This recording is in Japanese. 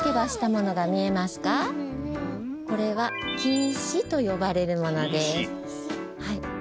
これは「きんし」とよばれるものです。